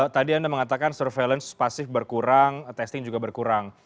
tadi anda mengatakan surveillance pasif berkurang testing juga berkurang